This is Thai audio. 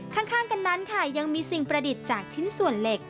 ข้างกันนั้นค่ะยังมีสิ่งประดิษฐ์จากชิ้นส่วนเหล็ก